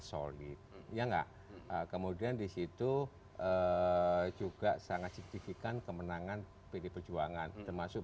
solid ya enggak kemudian disitu juga sangat signifikan kemenangan pd perjuangan termasuk